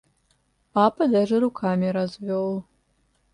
Папа даже руками развел.